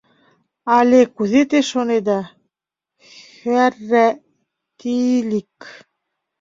Але кузе те шонеда, хӓрра Тиилик?